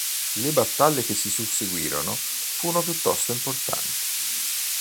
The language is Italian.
Le battaglie che si susseguirono furono piuttosto importanti.